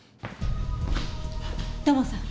土門さん